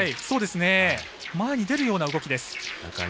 前に出るような動きです。